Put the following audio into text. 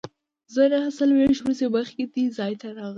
زه نهه څلوېښت ورځې مخکې دې ځای ته راغلی وم.